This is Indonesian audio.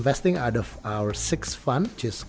jadi kami membeli dari enam fund kami yaitu ev sembilan